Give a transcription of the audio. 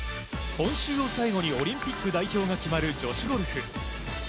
今週を最後にオリンピック代表が決まる女子ゴルフ。